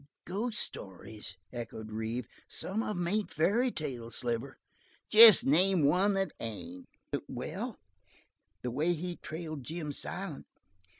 "Ghost stories?" echoed Reeve. "Some of 'em ain't fairy tales, Sliver." "Jest name one that ain't!" "Well, the way he trailed Jim Silent.